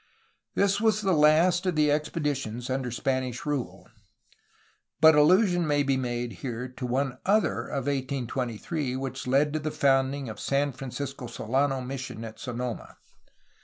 This was the last of the expeditions under Spanish rule, but allusion may be made here to one other of 1823 which led to the founding of San Francisco Solano mission at Sonoma.